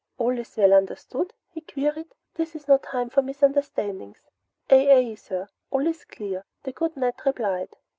"All is well understood?" he queried. "This is no time for misunderstandings!" "Aye aye, sir! All is clear!" the good Ned replied.